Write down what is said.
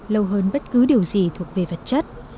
lâu hơn bất cứ điều gì thuộc về vật chất